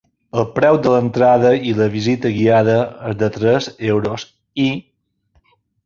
El preu de l’entrada i la visita guiada és de tres euros i.